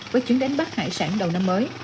với chuyến đánh bắt hải sản đầu năm mới